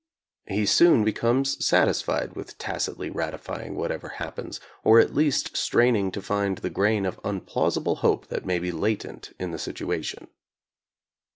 He soon becomes satisfied with tacitly ratifying whatever happens, or at least straining to find the grain of unplausible hope that may be latent in the situation.